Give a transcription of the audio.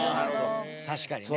確かにね。